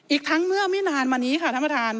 อีกทั้งเมื่อไม่นานมานี้ค่ะท่านประธาน